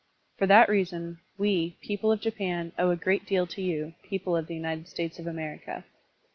For that reason, we, people of Japan, owe a great deal to you, people of the United States of America.